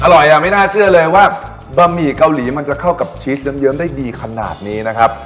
อร่อยอ่ะไม่น่าเชื่อเลยว่าบะหมี่เกาหลีมันจะเข้ากับชีสเยิ้มได้ดีขนาดนี้นะครับ